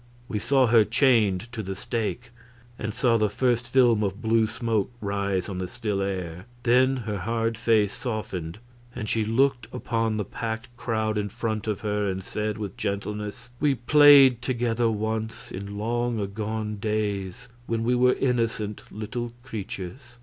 We saw her chained to the stake, and saw the first film of blue smoke rise on the still air. Then her hard face softened, and she looked upon the packed crowd in front of her and said, with gentleness: "We played together once, in long agone days when we were innocent little creatures.